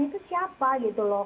itu siapa gitu loh